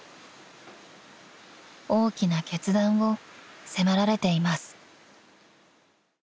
［大きな決断を迫られています］